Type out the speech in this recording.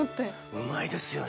うまいですよね。